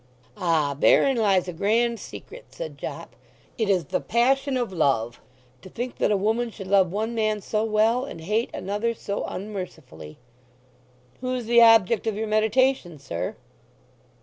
"Ah, therein lies a grand secret," said Jopp. "It is the passion of love. To think that a woman should love one man so well, and hate another so unmercifully." "Who's the object of your meditation, sir?"